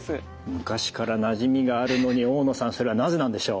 昔からなじみがあるのに大野さんそれはなぜなんでしょう？